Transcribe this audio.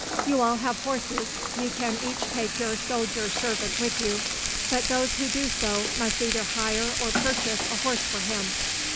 "You all have horses. You can each take your soldier servant with you, but those who do so must either hire or purchase a horse for him.